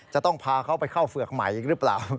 จะต้องพาเขาไปเข้าเฝือกใหม่อีกหรือเปล่า